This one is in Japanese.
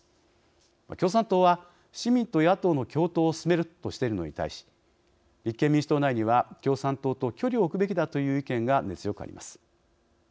共産党は市民と野党の共闘を進めるとしているのに対し立憲民主党内には共産党と距離を置くべきだという意見が根強くあります。